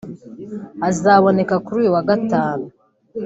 izaboneka kuri uyu wa Gatanu